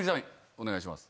お願いします。